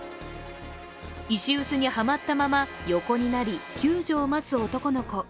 石臼にはまったまま、横になり救助を待つ男の子。